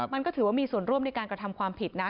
มันก็ถือว่ามีส่วนร่วมในการกระทำความผิดนะ